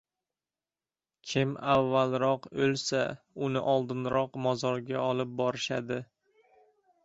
• Kim avvalroq o‘lsa, uni oldinroq mozorga olib borishadi.